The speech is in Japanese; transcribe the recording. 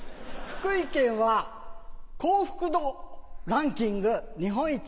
福井県は幸福度ランキング日本一。